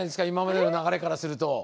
今までの流れからすると。